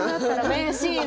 名シーン！